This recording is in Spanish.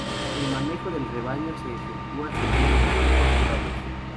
El manejo del rebaño se efectúa según los usos locales.